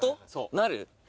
なる？